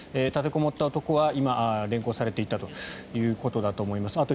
立てこもった男は今、連行されていったということだと思います。